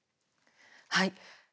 はい。